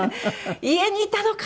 家にいたのか！